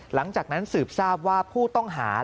หลังจากนั้นสืบทราบว่าผู้ต้องหา